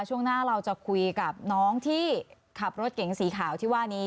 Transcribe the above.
ช่วงหน้าเราจะคุยกับน้องที่ขับรถเก๋งสีขาวที่ว่านี้